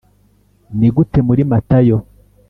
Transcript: Ni gute muri matayo